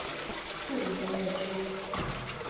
樹林工業區